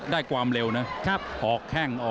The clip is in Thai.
แล้วทีมงานน่าสื่อ